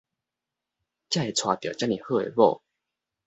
才會娶著遮爾好的某